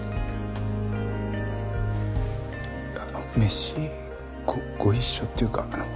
あの飯ご一緒っていうかあの。